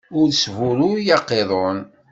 Ur sburuy aqiḍun.